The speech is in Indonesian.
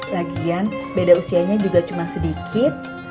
lagian beda usianya juga cuma sedikit